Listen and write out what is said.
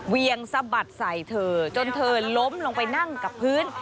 เวียงสะบัดใส่เธอจนเธอล้มลงไปนั่งกับพื้น